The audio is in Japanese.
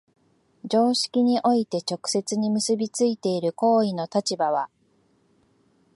常識において直接に結び付いている行為の立場は、